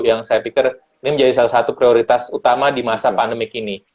yang saya pikir ini menjadi salah satu prioritas utama di masa pandemi ini